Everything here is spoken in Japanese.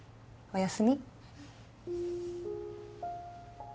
おやすみ。